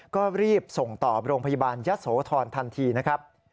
ก็รีบส่งต่อโรงพยาบาลยะโสธรทันทีนะครับ